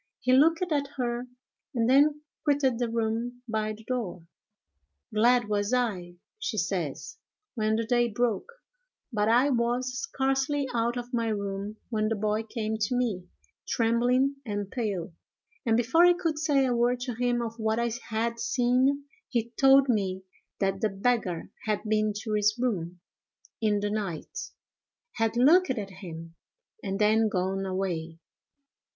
He looked at her, and then quitted the room by the door. "Glad was I," she says, "when the day broke; but I was scarcely out of my room when the boy came to me, trembling and pale, and, before I could say a word to him of what I had seen, he told me that the beggar had been to his room in the night, had looked at him, and then gone away.